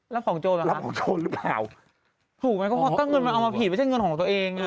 รับของโจทย์หรือเปล่า